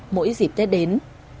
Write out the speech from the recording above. mỗi dịp tết đến